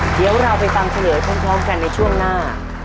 เดี๋ยวเราไปฟังเฉลยพร้อมกันในช่วงหน้า